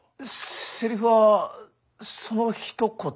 セリフはそのひと言だけで？